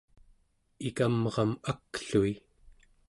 ikamram aklui